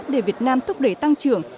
để việt nam thúc đẩy tăng trưởng